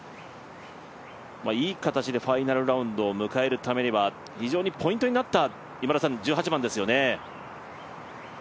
いい形でファイナルラウンドを迎えるためには非常にポイントになった１８番ですよね。